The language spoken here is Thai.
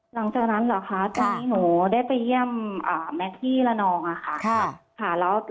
หลังจากนั้นเหรอคะตอนนี้หนูได้ไปเยี่ยมแม็กซ์ที่ระนองค่ะ